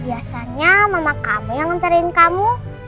biasanya mama kamu yang nganterin kamu